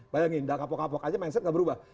bayangin dah kapok kapok aja mindset gak berubah